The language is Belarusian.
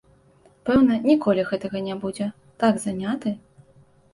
Пэўна, ніколі гэтага не будзе, так заняты.